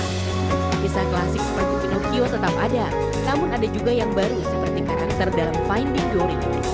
kisah klasik seperti pinocchio tetap ada namun ada juga yang baru seperti karakter dalam finding dory